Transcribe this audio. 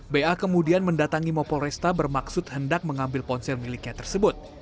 ba kemudian mendatangi mapol resta bermaksud hendak mengambil ponsel miliknya tersebut